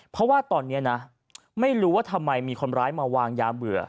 เพราะว่าตอนนี้นะไม่รู้ว่าทำไมมีคนร้ายมาวางยาเบื่อ